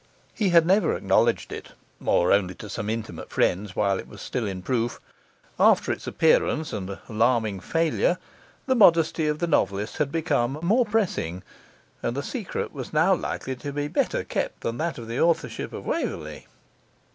He had never acknowledged it, or only to some intimate friends while it was still in proof; after its appearance and alarming failure, the modesty of the novelist had become more pressing, and the secret was now likely to be better kept than that of the authorship of Waverley.